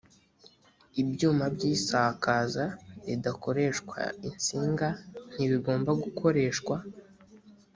ibyuma by’isakaza ridakoreshwa insinga ntibigomba gukoreshwa